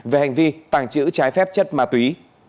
về hành vi tàng trữ trái phép chất ma túy